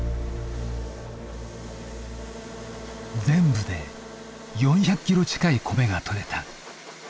全部で４００キロ近い米が取れた。